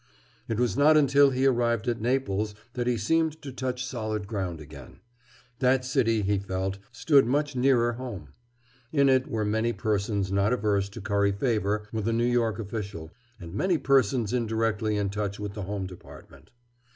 It was not until he arrived at Naples that he seemed to touch solid ground again. That city, he felt, stood much nearer home. In it were many persons not averse to curry favor with a New York official, and many persons indirectly in touch with the home Department.